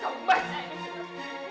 kau masih ini mel